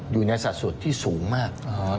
อยู่ในสัดส่วนที่สูงมาก